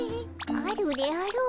あるであろう。